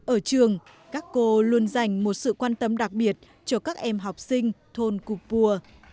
ở trường các cô luôn dành một sự quan tâm đặc biệt cho các em học sinh thôn cô pua